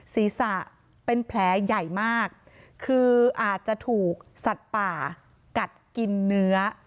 ศีรษะเป็นแผลใหญ่มากคืออาจจะถูกสัตว์ป่ากัดกินเนื้อ